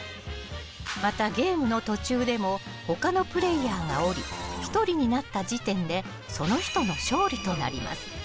またゲームの途中でも他のプレーヤーが降り１人になった時点でその人の勝利となります。